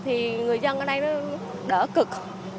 thì người dân ở đây nó đỡ cực